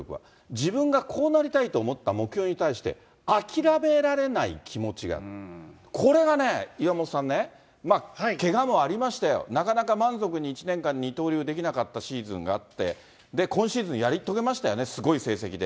自分がこうなりたいと思った目標に対して、諦められない気持ちが、これがね、岩本さんね、けがもありましたよ、なかなか満足に１年間、二刀流できなかったシーズンがあって、今シーズンやり遂げましたよね、すごい成績で。